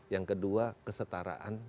yang kedua kesetaraan